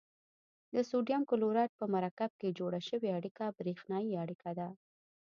د سوډیم کلورایډ په مرکب کې جوړه شوې اړیکه بریښنايي اړیکه ده.